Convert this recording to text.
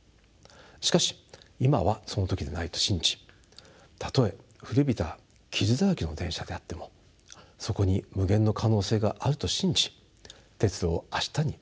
しかし今はその時ではないと信じたとえ古びた傷だらけの電車であってもそこに無限の可能性があると信じ鉄路を明日につないでまいりたいと思います。